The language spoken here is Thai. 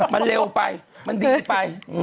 มันเร็วไปมันดีไป